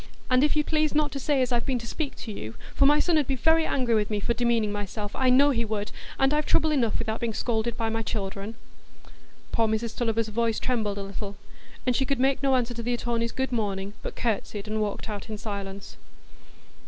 "And if you'd please not to say as I've been to speak to you, for my son 'ud be very angry with me for demeaning myself, I know he would, and I've trouble enough without being scolded by my children." Poor Mrs Tulliver's voice trembled a little, and she could make no answer to the attorney's "good morning," but curtsied and walked out in silence.